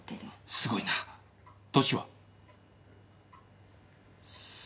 すごいな。年は？さあ？